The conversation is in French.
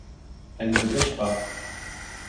Elle ne pêche pas.